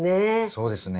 そうですね。